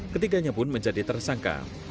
ketiganya pun menjadi tersangka